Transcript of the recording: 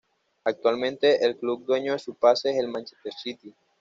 Actualmente el club dueño de su pase es el Manchester City.